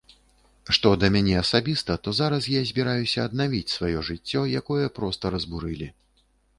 Што да мяне асабіста, то зараз я збіраюся аднавіць сваё жыццё, якое проста разбурылі.